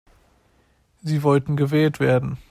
Sie wollten gewählt werden.